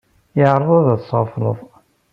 Eɛṛeḍ ad t-tesɣefleḍ.